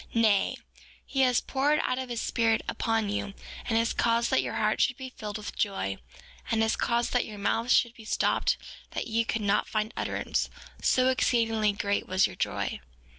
Nay; he has poured out his Spirit upon you, and has caused that your hearts should be filled with joy, and has caused that your mouths should be stopped that ye could not find utterance, so exceedingly great was your joy.